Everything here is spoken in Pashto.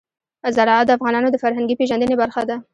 زراعت د افغانانو د فرهنګي پیژندنې برخه ده.